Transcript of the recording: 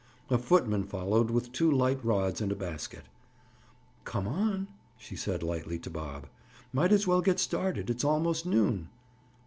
A footman followed with two light rods and a basket. "Come on," she said lightly to Bob. "Might as well get started. It's almost noon."